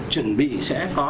chuẩn bị sẽ có